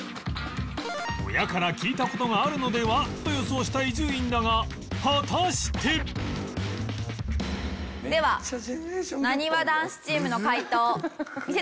親から聞いた事があるのでは？と予想した伊集院だが果たして？ではなにわ男子チームの解答見せてください。